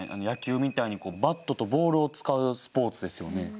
野球みたいにバットとボールを使うスポーツですよね。